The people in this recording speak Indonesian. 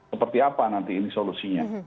seperti apa nanti ini solusinya